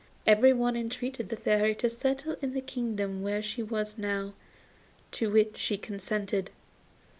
Everyone entreated the Fairy to settle in the kingdom where she now was, to which she consented.